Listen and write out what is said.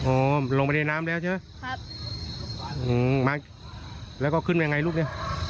โอ้วไปลงไปในน้ำไงครับช่าวแล้วก็ขึ้นไปยังไงลูกเนี่ย